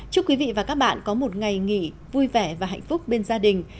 chúc quý vị và các bạn có một ngày nghỉ vui vẻ và hạnh phúc bên gia đình